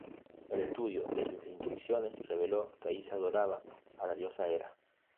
El estudio de sus inscripciones reveló que allí se adoraba a la diosa Hera.